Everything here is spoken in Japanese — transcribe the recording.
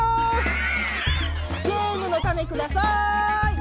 ゲームのタネください！